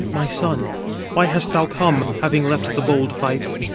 "My son, why hast thou come, having left the bold fight?